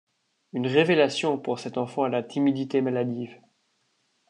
Une révélation pour cet enfant à la timidité maladive.